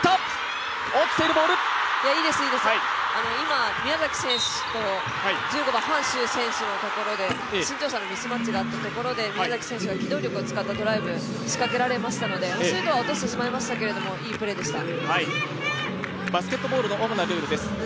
いいです、いいです、宮崎選手と韓旭選手のところで身長差のミスマッチがあったところで宮崎選手が機動力を使ったドライブを仕掛けられましたので、シュートは落としてしまいましたけどもいいプレーでした。